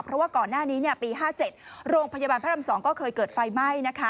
เพราะว่าก่อนหน้านี้ปี๕๗โรงพยาบาลพระราม๒ก็เคยเกิดไฟไหม้